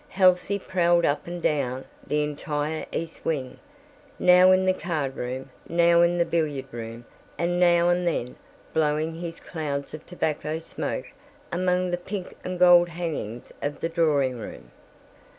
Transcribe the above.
Halsey prowled up and down the entire east wing, now in the card room, now in the billiard room, and now and then blowing his clouds of tobacco smoke among the pink and gold hangings of the drawing room.